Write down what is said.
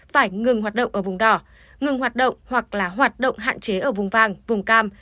phải ngừng hoạt động ở vùng đỏ ngừng hoạt động hoặc là hoạt động hạn chế ở vùng vàng vùng cam